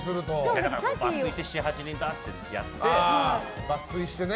抜粋して７８人だってやってね。